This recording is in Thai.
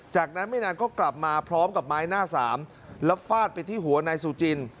จากนั้นไม่นานก็กลับมาพร้อมกับไม้หน้าสามแล้วฟาดไปที่หัวนายสุจิน